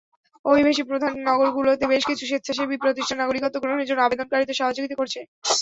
অভিবাসীপ্রধান নগরগুলোতে বেশ কিছু স্বেচ্ছাসেবী প্রতিষ্ঠান নাগরিকত্ব গ্রহণের জন্য আবেদনকারীদের সহযোগিতা করছে।